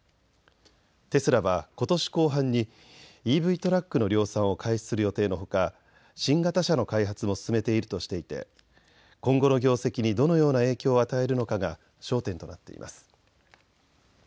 テスラはことし後半にＥＶトラックの量産を開始する予定のほか新型車の開発も進めているとしていて今後の業績にどのような影響を与えるのかが焦点となっています。